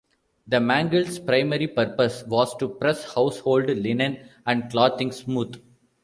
The mangle's primary purpose was to press household linen and clothing smooth.